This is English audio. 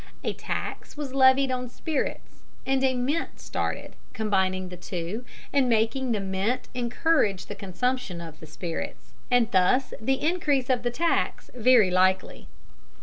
A tax was levied on spirits, and a mint started, combining the two, and making the mint encourage the consumption of spirits, and thus the increase of the tax, very likely.